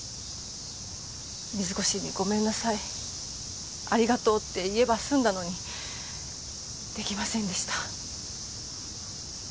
水越に「ごめんなさいありがとう」って言えば済んだのに出来ませんでした。